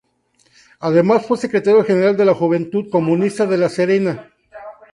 Además, fue Secretario General de la Juventud Comunista de La Serena.